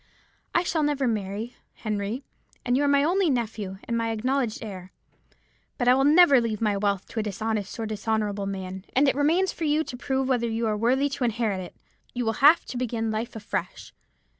'I shall never marry, Henry, and you are my only nephew, and my acknowledged heir. But I will never leave my wealth to a dishonest or dishonourable man, and it remains for you to prove whether you are worthy to inherit it. You will have to begin life afresh.